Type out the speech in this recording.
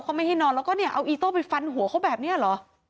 เขาไม่ให้นอนแล้วก็เนี่ยเอาอีโต้ไปฟันหัวเขาแบบนี้เหรอ